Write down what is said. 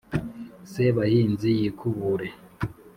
sebahinzi yikubure